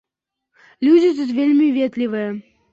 Людзі тут вельмі ветлівыя.